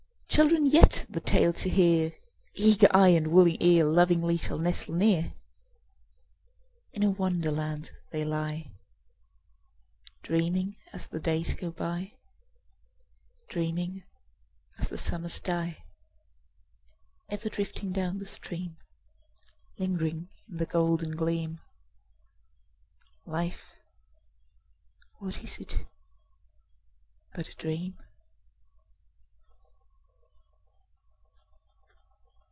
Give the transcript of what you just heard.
Children yet, the tale to hear, Eager eye and willing ear, Lovingly shall nestle near. In a Wonderland they lie, Dreaming as the days go by, Dreaming as the summers die: Ever drifting down the stream— Lingering in the golden gleam— Life, what is it but a dream?